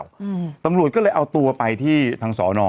อืมตำรวจก็เลยเอาตัวไปที่ทางสอนอ